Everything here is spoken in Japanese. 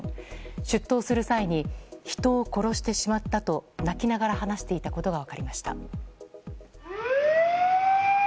出頭する際に人を殺してしまったと泣きながら話していたことが分かりました。